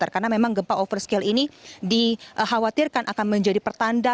karena memang gempa over scale ini dikhawatirkan akan menjadi pertanda